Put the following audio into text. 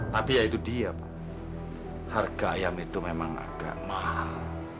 tapi ya itu dia pak harga ayam itu memang agak mahal